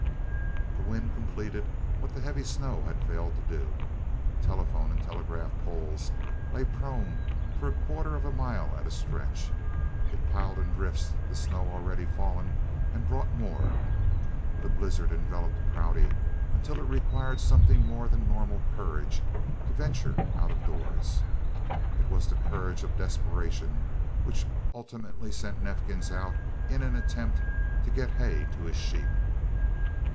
The wind completed what the heavy snow had failed to do. Telephone and telegraph poles lay prone for a quarter of a mile at a stretch. It piled in drifts the snow already fallen and brought more. The blizzard enveloped Prouty until it required something more than normal courage to venture out of doors. It was the courage of desperation which ultimately sent Neifkins out in an attempt to get hay to his sheep.